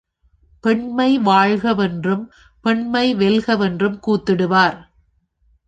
பெண்மை வாழ்கவென்றும் பெண்மை வெல்கவென்றும் கூத்திடுவார்.